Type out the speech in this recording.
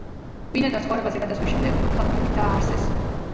ბინადარ ცხოვრებაზე გადასვლის შემდეგ ქალაქები დააარსეს.